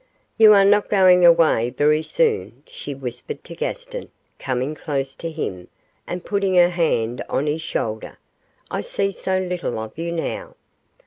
'You are not going away very soon?' she whispered to Gaston, coming close to him, and putting her hand on his shoulder; 'I see so little of you now.